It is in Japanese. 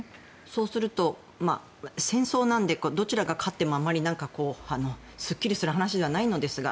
そうすると戦争なんで、どちらが勝ってもあまり、すっきりする話じゃないんですが。